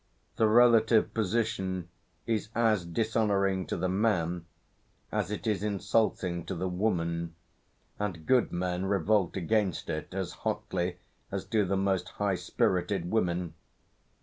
The relative position is as dishonouring to the man as it is insulting to the woman, and good men revolt against it as hotly as do the most high spirited women.